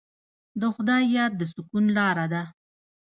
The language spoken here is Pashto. د خدای یاد د سکون لاره ده.